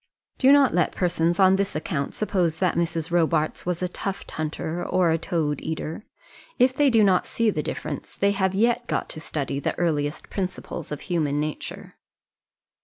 Do not let persons on this account suppose that Mrs. Robarts was a tuft hunter, or a toad eater. If they do not see the difference they have yet got to study the earliest principles of human nature.